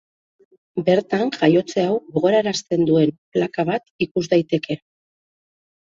Bertan jaiotze hau gogorarazten duen plaka bat ikus daiteke.